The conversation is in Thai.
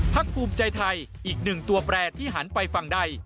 ภูมิใจไทยอีกหนึ่งตัวแปรที่หันไปฝั่งใด